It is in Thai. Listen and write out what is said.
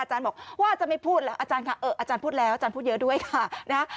อาจารย์บอกว่าจะไม่พูดแล้วอาจารย์ค่ะเอออาจารย์พูดแล้วอาจารย์พูดเยอะด้วยค่ะ